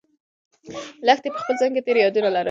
لښتې په خپل ذهن کې تېر یادونه لرل.